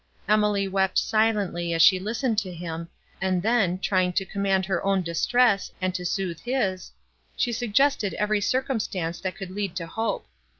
Emily wept silently as she listened to him, and then, trying to command her own distress, and to sooth his, she suggested every circumstance that could lead to hope.